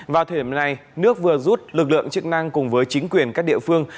vào thời điểm này nước vừa rút lực lượng chức năng cùng với chính quyền các địa phương